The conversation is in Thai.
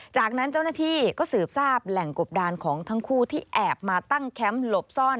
จากนั้นเจ้าหน้าที่ก็สืบทราบแหล่งกบดานของทั้งคู่ที่แอบมาตั้งแคมป์หลบซ่อน